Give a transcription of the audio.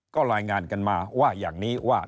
ก็รายงานกันมาว่าอย่างนี้ว่า